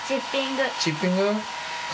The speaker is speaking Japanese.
チッピング？